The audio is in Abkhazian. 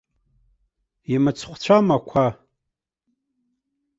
Имыцхәцәам ақәа.